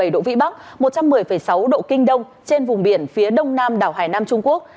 một mươi độ vĩ bắc một trăm một mươi sáu độ kinh đông trên vùng biển phía đông nam đảo hải nam trung quốc